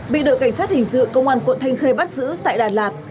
bị đội cảnh sát hình sự công an quận thanh khê bắt giữ tại đà lạt